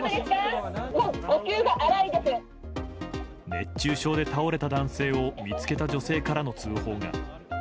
熱中症で倒れた男性を見つけた女性からの通報が。